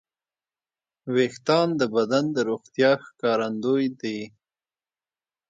وېښتيان د بدن د روغتیا ښکارندوی دي.